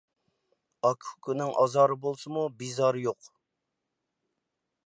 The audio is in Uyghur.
ئاكا-ئۇكىنىڭ ئازارى بولسىمۇ، بىزارى يوق.